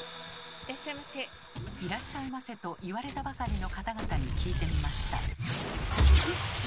「いらっしゃいませ」と言われたばかりの方々に聞いてみました。